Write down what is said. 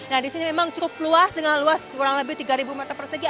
nah di sini memang cukup luas dengan luas kurang lebih tiga meter persegi